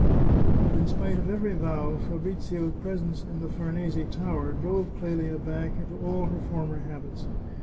But in spite of every vow, Fabrizio's presence in the Farnese Tower drove Clelia back into all her former habits.